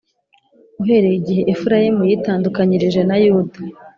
uhereye igihe Efurayimu yitandukanyirije na Yuda